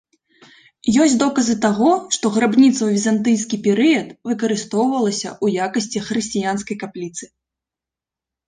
Ёсць доказы таго, што грабніца ў візантыйскі перыяд выкарыстоўвалася ў якасці хрысціянскай капліцы.